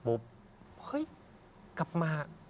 เฮ้ยกลับมา